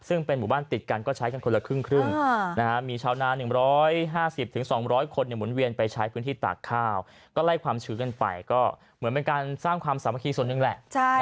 ซึ่งเป็นหมู่บ้านติดกันก็ใช้กันคนละครึ่งมีชาวนา๑๕๐๒๐๐คนหมุนเวียนไปใช้พื้นที่ตากข้าวก็ไล่ความชื้นกันไปก็เหมือนเป็นการสร้างความสามัคคีส่วนหนึ่งแหละ